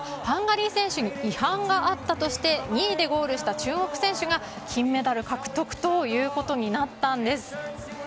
ハンガリー選手に違反があったとして２位でゴールした中国選手が金メダル獲得ということになったんです。